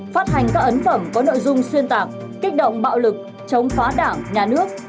phát hành các ấn phẩm có nội dung xuyên tạc kích động bạo lực chống phá đảng nhà nước